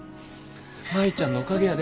舞ちゃんのおかげやで。